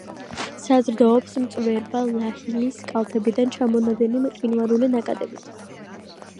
საზრდოობს მწვერვალ ლაჰილის კალთებიდან ჩამონადენი მყინვარული ნაკადებით.